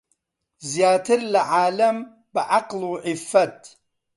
زیاتر لە عالەم بە عەقڵ و عیففەت